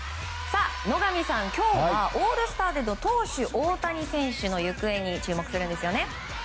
野上さん、今日はオールスターでの投手・大谷選手の行方に注目するんですよね。